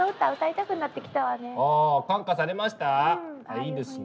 いいですね。